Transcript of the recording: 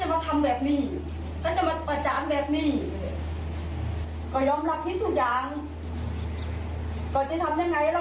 แต่ว่าเขาเอาหนูน่ะไปประจาน